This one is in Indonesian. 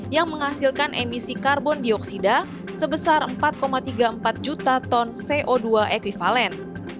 yang menghasilkan emisi karbon dioksida sebesar empat tiga puluh empat juta ton co dua ekvivalen